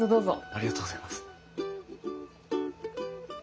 ありがとうございます。